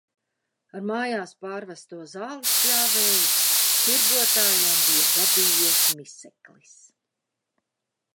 Ar mājās pārvesto zālespļāvēju tirgotājiem bija gadījies miseklis.